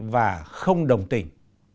và không đồng tình